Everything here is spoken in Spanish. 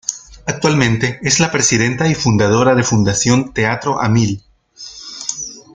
Actualmente es la Presidenta y fundadora de Fundación Teatro a Mil.